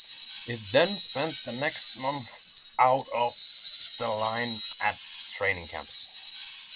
It then spent the next month out of the line at training camps.